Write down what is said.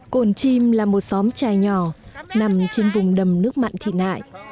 cồn chim là một xóm trài nhỏ nằm trên vùng đầm nước mặn thị nại